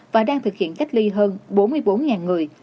và đang thực hiện cách ly hơn bốn mươi bốn người